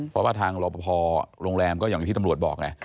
เพราะว่าทางรอปภโรงแรมก็อย่างที่ตำรวจบอกไง